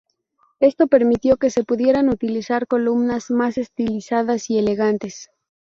Esto permitió que se pudieran utilizar columnas más estilizadas y elegantes.